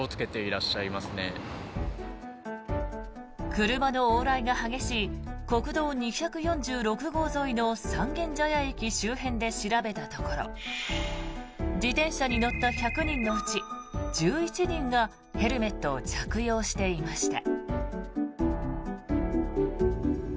車の往来が激しい国道２４６号沿いの三軒茶屋駅周辺で調べたところ自転車に乗った１００人のうち１１人がヘルメットを着用していました。